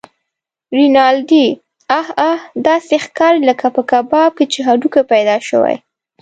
رینالډي: اه اه! داسې ښکارې لکه په کباب کې چې هډوکی پیدا شوی.